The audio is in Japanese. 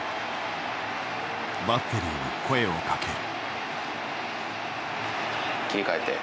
バッテリーに声をかける。